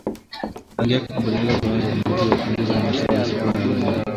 Rangi yake kubadilika kiwango cha maziwa kupungua na maziwa yasiyokuwa ya kawaida